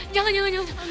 jangan jangan jangan